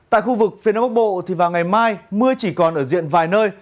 tại khu vực phía tây bắc bộ vào ngày mai mưa chỉ còn ở diện vài nơi